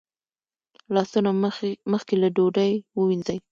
لاسونه مخکې له ډوډۍ ووینځئ